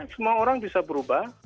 semua orang bisa berubah